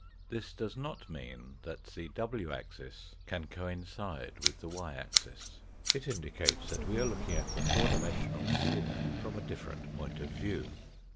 This does not mean that the w axis can coincide with the y axis. It indicates that we are looking at the four dimensional sphere from a different point of view.